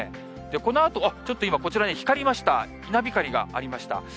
このあと、ちょっと今、こちら光りました、稲光がありました。